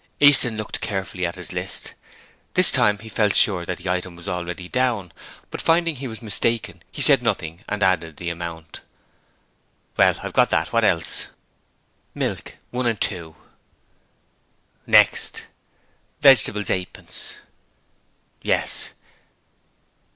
Easton looked carefully at his list. This time he felt sure that the item was already down; but finding he was mistaken he said nothing and added the amount. 'Well, I've got that. What else?' 'Milk, one and two.' 'Next?' 'Vegetables, eightpence.' 'Yes.'